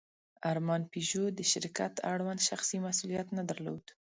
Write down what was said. ارمان پيژو د شرکت اړوند شخصي مسوولیت نه درلود.